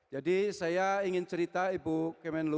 jadi saya ingin cerita ibu kemenlu